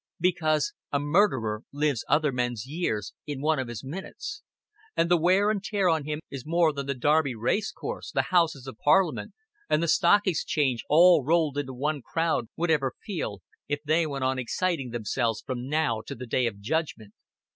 Because a murderer lives other men's years in one of his minutes and the wear and tear on him is more than the Derby Race Course, the Houses of Parliament, and the Stock Exchange all rolled into one crowd would ever feel if they went on exciting themselves from now to the Day of Judgment."